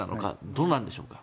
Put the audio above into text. どうなんでしょうか。